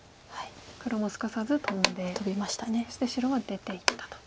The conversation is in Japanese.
黒もすかさずトンでそして白は出ていったと。